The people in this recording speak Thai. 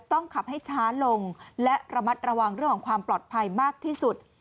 ต้องขับให้ช้าลงและระมัดระวังเรื่องของความปลอดภัยมากที่สุด